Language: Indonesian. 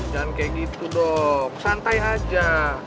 jangan kayak gitu dok santai aja